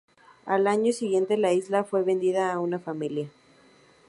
Al año siguiente, la isla fue vendida a una familia.